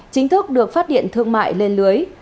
chính thức được phát điện thương mại lên lưới